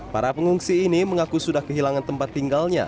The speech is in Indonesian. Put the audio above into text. para pengungsi ini mengaku sudah kehilangan tempat tinggalnya